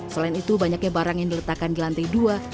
selain itu banyaknya barang yang diletakkan di lantai dua